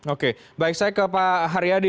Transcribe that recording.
oke baik saya ke pak haryadi